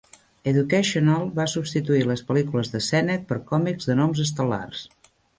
Educational va substituir les pel·lícules de Sennett per còmics de noms estel·lars.